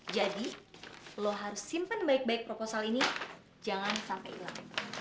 jadi lo harus simpen baik baik proposal ini jangan sampai hilang